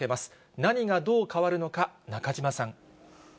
何がどう変わるのか、中島さん。